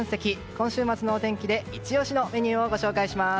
今週末のお天気でイチ押しのメニューを紹介します。